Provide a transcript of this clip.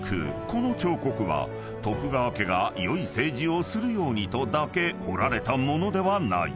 この彫刻は徳川家が善い政治をするようにとだけ彫られた物ではない］